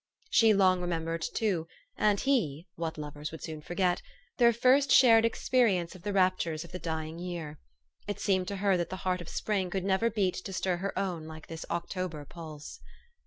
She long remembered too, and he what lovers would soon forget ? their first shared experience of the rapture of the dying year. It seemed to her that the heart of spring could never beat to stir her own like this October pulse.